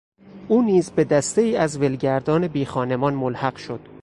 او نیز به دستهای از ولگردان بیخانمان ملحق شد.